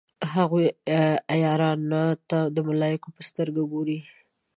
هغوی عیارانو ته د ملایکو په سترګه ګوري.